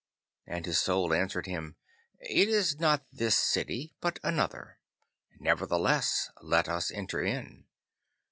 And his Soul answered him, 'It is not this city, but another. Nevertheless let us enter in.